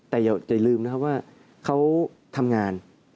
แต่อย่าลืมนะครับว่าเขาทำงาน